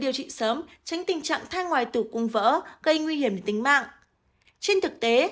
điều trị sớm tránh tình trạng thai ngoài tử cung vỡ gây nguy hiểm tính mạng trên thực tế